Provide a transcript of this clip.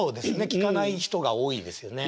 聴かない人が多いですよね。